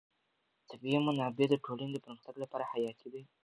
طبیعي منابع د ټولنې د پرمختګ لپاره حیاتي دي.